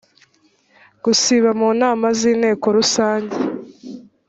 gusiba mu nama z inteko rusange